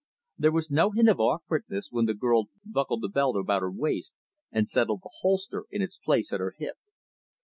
There was no hint of awkwardness when the girl buckled the belt about her waist and settled the holster in its place at her hip.